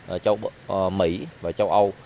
ở châu mỹ và châu âu